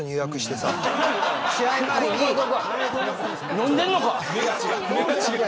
飲んでんのか。